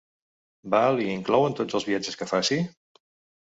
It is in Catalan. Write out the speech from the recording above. Val i inclouen tots els viatges que faci?